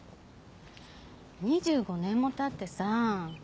２５年もたってさ。